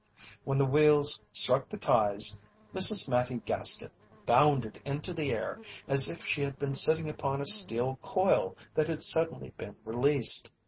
When the wheels struck the ties, Miss Mattie Gaskett bounded into the air as if she had been sitting upon a steel coil that had suddenly been released.